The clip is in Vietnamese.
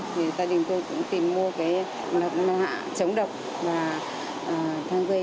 gia đình tôi cũng tìm mua mặt nạ chống độc và thang dây